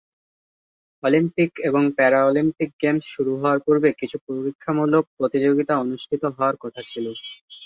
Olympic এবং Paralympic games শুরু হওয়ার পূর্বে কিছু পরীক্ষামূলক প্রতিযোগিতা অনুষ্ঠিত হওয়ার কথা ছিল।